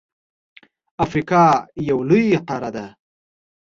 افریقا یو لوی قاره ده.